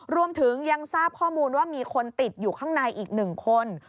รวมถึงยังทราบข้อมูลว่ามีคนติดอยู่ข้างในอีก๑คน